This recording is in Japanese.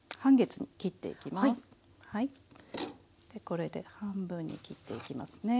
これで半分に切っていきますね。